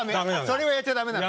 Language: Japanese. それはやっちゃ駄目なの！